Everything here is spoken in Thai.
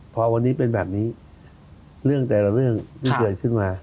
พอวันนี้เป็นแบบนี้เรื่องแต่ละเรื่องที่เกิดขึ้นมา